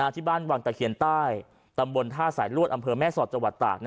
ที่บ้านวังตะเคียนใต้ตำบลท่าสายลวดอำเภอแม่สอดจังหวัดตาก